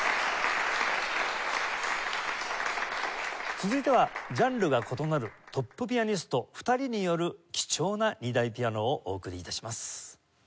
続いてはジャンルが異なるトップピアニスト２人による貴重な２台ピアノをお送り致します。